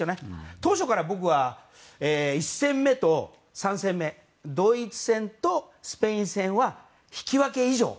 当初から僕は１戦目と３戦目ドイツ戦とスペイン戦は引き分け以上。